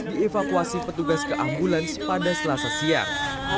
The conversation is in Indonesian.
dievakuasi petugas keambulans pada selasa siang